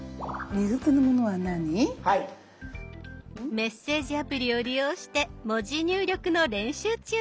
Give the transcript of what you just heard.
メッセージアプリを利用して文字入力の練習中。